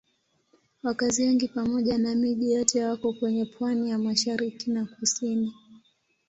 Wakazi wengi pamoja na miji yote wako kwenye pwani ya mashariki na kusini.